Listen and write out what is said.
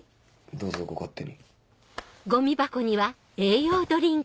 どうぞご勝手に。